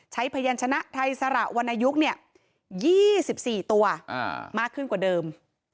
ใช้พยานชนะไทยสารวรรณยุค๒๔ตัวมากขึ้นกว่าเดิม